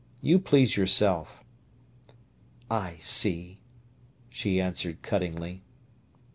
You please yourself." "I see!" she answered cuttingly.